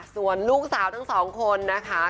ส่วนลูกสาวทั้งสองคนนะคะ